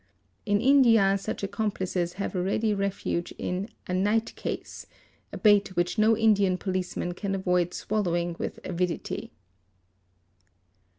In India, such accomplices have a ready refuge in "a night case'',—a bait which no Indian police man can avoid swallowing with avidity.